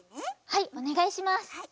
はいおねがいします。